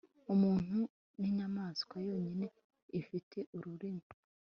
Umuntu ninyamaswa yonyine ifite ururimi